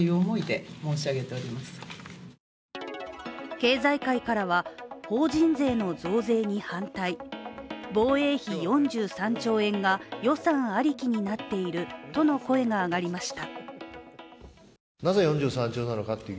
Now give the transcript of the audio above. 経済界からは、法人税の増税に反対、防衛費４３兆円が予算ありきになっているとの声が上がりました。